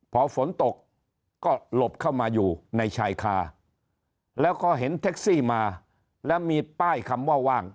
พอฝนตกก็หลบเข้ามาอยู่ในชายคาแล้วก็เห็นแท็กซี่มาแล้วมีป้ายคำว่าว่าง